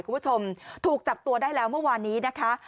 คุณผู้ชมถูกจับตัวได้แล้วเมื่อวานนี้นะคะ